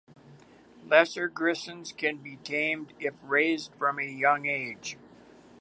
Lesser grisons can be tamed if raised from a young age.